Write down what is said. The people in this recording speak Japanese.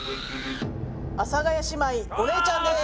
阿佐ヶ谷姉妹お姉ちゃんです。